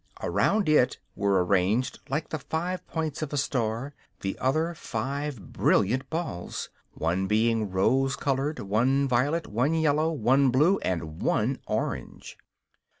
Around it were arranged, like the five points of a star, the other five brilliant balls; one being rose colored, one violet, one yellow, one blue and one orange.